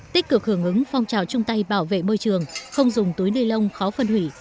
tích cực hưởng ứng phong trào chung tay bảo vệ môi trường không dùng túi nilon khó phân hủy